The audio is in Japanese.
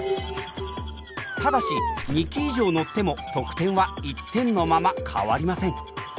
ただし２機以上乗っても得点は１点のまま変わりません。